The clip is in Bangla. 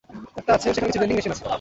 একটা আছে, সেখানে কিছু ভেন্ডিং মেশিন আছে।